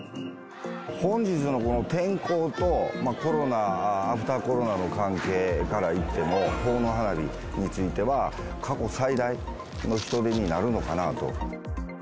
本日のこの天候と、コロナ、アフターコロナの関係からいっても、奉納花火については、過去最大の人出になるのかなと。